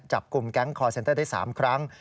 จับกลุ่มแก๊งคอร์เซ็นเตอร์ได้๓ครั้ง